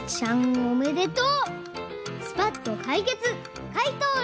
おめでとう！